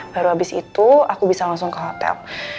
baru habis itu aku bisa langsung ke hotel